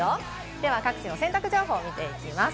では、各地の洗濯情報を見ていきます。